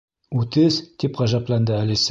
—Үтес? —тип ғәжәпләнде Әлисә.